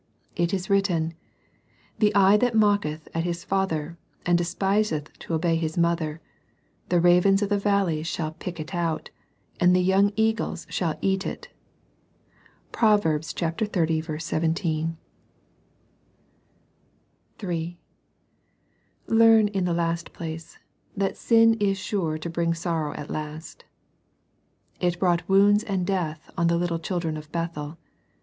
It is written, —" The eye that mocketh at his father, and despiseth to obey his mother, the ravens of the valley shall pick it out, and the young eagles shall eat it." (PrQv. XXX. 17.) (3) Learn, in the last place, that sin is sure to bring sorrow at last. It brought wounds and death on the little children of Bethel.